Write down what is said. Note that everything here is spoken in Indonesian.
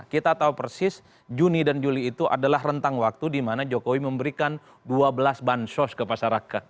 kita tahu persis juni dan juli itu adalah rentang waktu di mana jokowi memberikan dua belas bansos ke masyarakat